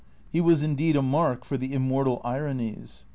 He was indeed a mark for the immortal iron ies.